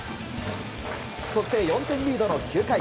そして、４点リードの９回。